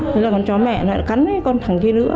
thế là con chó mẹ nó cắn con thằng kia nữa